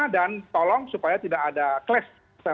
dan tolong supaya tidak ada kles